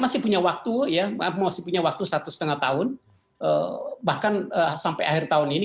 masih punya waktu ya masih punya waktu satu setengah tahun bahkan sampai akhir tahun ini